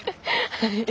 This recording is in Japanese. はい。